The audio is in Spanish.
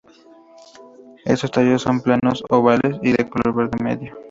Estos tallos son planos, ovales y de color verde medio.